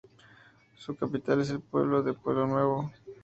Su capital es el pueblo de Pueblo Nuevo.